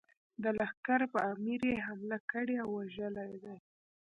د لښکر پر امیر یې حمله کړې او وژلی دی.